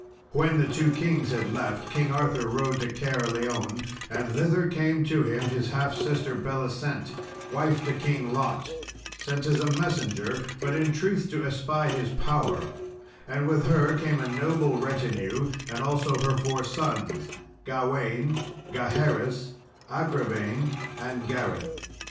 When the two kings had left, King Arthur rode to Caerleon, and thither came to him his half sister Belisent, wife to King Lot, sent as a messenger, but in truth to espy his power; and with her came a noble retinue, and also her four sons Gawain, Gaheris, Agravaine, and Gareth.